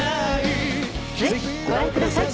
ぜひご覧ください。